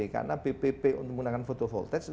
karena bbb untuk menggunakan photo voltage